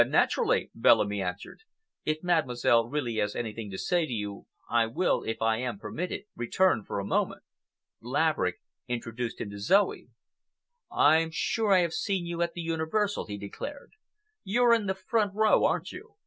"Naturally," Bellamy answered. "If Mademoiselle really has anything to say to you, I will, if I am permitted, return for a moment." Laverick introduced him to Zoe. "I am sure I have seen you at the Universal," he declared. "You're in the front row, aren't you?